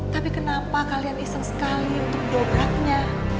tapi kenapa kalian iseng sekali itu dobraknya